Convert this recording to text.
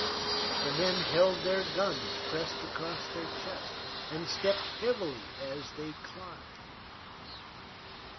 The men held their guns pressed across their chests and stepped heavily as they climbed.